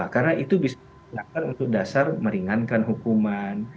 karena itu bisa diperlakukan untuk dasar meringankan hukuman